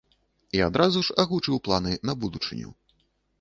І адразу ж агучыў планы на будучыню.